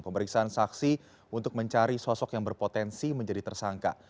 pemeriksaan saksi untuk mencari sosok yang berpotensi menjadi tersangka